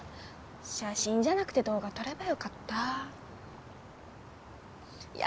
写真じゃなくて動画撮ればよかったいや